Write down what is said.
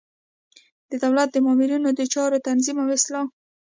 د دولت د مامورینو د چارو تنظیم او اصلاح.